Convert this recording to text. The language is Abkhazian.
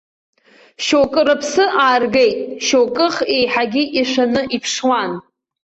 Шьоукы рыԥсы ааргеит, шьоукых еиҳагьы ишәаны иԥшуан.